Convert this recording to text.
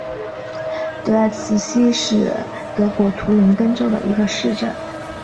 德赖茨希是德国图林根州的一个市镇。